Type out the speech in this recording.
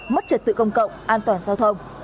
mất trật tự công cộng an toàn giao thông